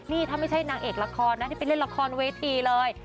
นี่ถ้าไม่ใช่นางเอกละครนะที่ไปเล่นละครเวทีเลย